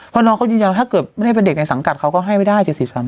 เพราะน้องเขายืนยันถ้าเกิดไม่ได้เป็นเด็กในสังกัดเขาก็ให้ไม่ได้๗๔๓